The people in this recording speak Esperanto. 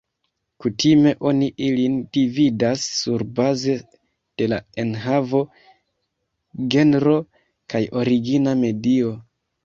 Kutime oni ilin dividas surbaze de la enhavo, genro kaj origina medio.